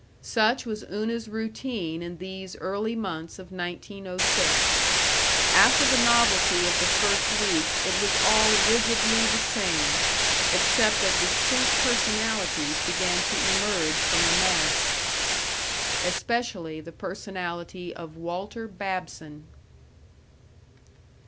Such was Una's routine in these early months of 1906. After the novelty of the first week it was all rigidly the same, except that distinct personalities began to emerge from the mass. Especially the personality of Walter Babson.